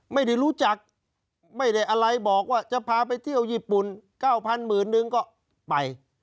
ไม่ได้รู้จักไม่ได้อะไรบอกว่าจะพาไปเที่ยวญี่ปุ่น๙๐๐หมื่นนึงก็ไป